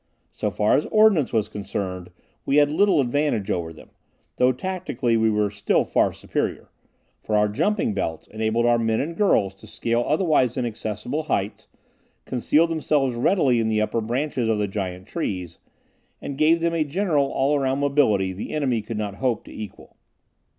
So far as ordnance was concerned, we had little advantage over them; although tactically we were still far superior, for our jumping belts enabled our men and girls to scale otherwise inaccessible heights, conceal themselves readily in the upper branches of the giant trees, and gave them a general all around mobility, the enemy could not hope to equal.